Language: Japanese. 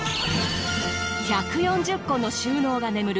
１４０個の収納が眠る